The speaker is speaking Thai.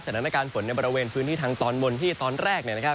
สถานการณ์ฝนในบริเวณพื้นที่ทางตอนบนที่ตอนแรก